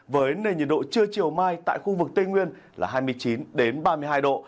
với nền nhiệt độ trưa chiều mai tại khu vực tây nguyên là hai mươi chín ba mươi hai độ